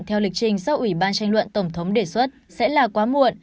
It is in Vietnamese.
theo lịch trình do ủy ban tranh luận tổng thống đề xuất sẽ là quá muộn